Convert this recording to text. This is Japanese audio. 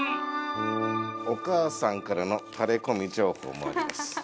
お母さんからのタレコミ情報もあります。